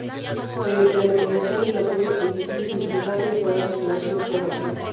Mediante la mediación de la curia pontificia, se intentaron mejorar las relaciones con Austria.